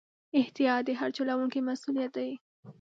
احتیاط د هر چلوونکي مسؤلیت دی.